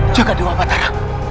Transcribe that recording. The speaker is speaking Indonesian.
jangan dua batara